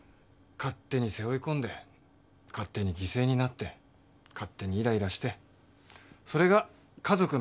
勝手に背負い込んで勝手に犠牲になって勝手にイライラしてそれが家族のストレスになってる。